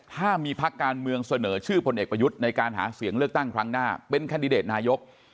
ถ้ามีพักการเมืองเสนอชื่อพลเอกประยุทธ์ในการหาเสียงเลือกตั้งครั้งหน้าเป็นแคนดิเดตนายก